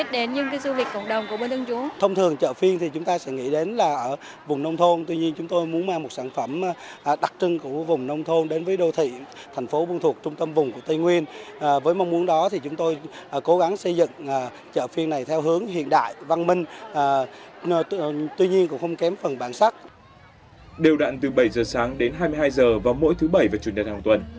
điều đạn từ bảy h sáng đến hai mươi hai h vào mỗi thứ bảy và chủ nhật hàng tuần